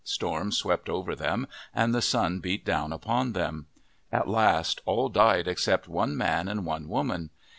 Storms swept over them and the sun beat down upon them. At last all died except one man and one woman.